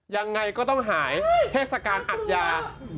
ยังไงก็ต้องหายเทศกาลอัดยา